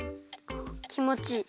きもちいい。